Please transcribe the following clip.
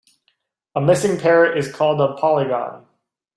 A missing parrot is called a polygon.